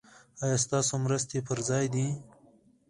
ایا ستاسو مرستې پر ځای دي؟